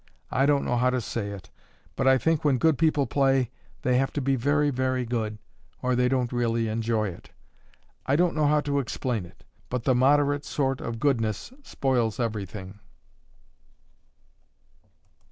I don't know how to say it, but I think when good people play, they have to be very, very good, or they don't really enjoy it. I don't know how to explain it, but the moderate sort of goodness spoils everything."